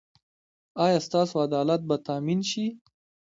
ایا ستاسو عدالت به تامین شي؟